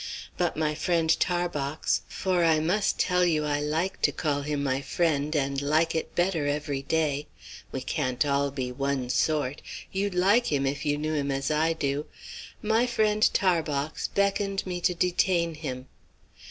But my friend Tarbox for I must tell you I like to call him my friend, and like it better every day; we can't all be one sort; you'd like him if you knew him as I do my friend Tarbox beckoned me to detain him.